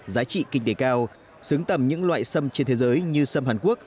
giá trị kinh tế cao xứng tầm những loại sâm trên thế giới như sâm hàn quốc